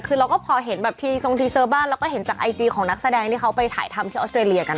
คือเราก็พอเห็นแบบทีทรงทีเซอร์บ้านเราก็เห็นจากไอจีของนักแสดงที่เขาไปถ่ายทำที่ออสเตรเลียกัน